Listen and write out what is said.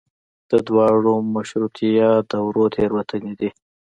د دواړو مشروطیه دورو تېروتنې دي.